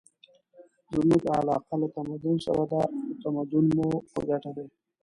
زموږ علاقه له تمدن سره ده او تمدن مو په ګټه دی.